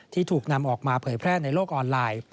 ที่ถูกนำออกมาเผยแพร่ในโลกออนไลน์